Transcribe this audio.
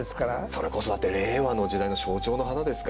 それこそだって令和の時代の象徴の花ですから。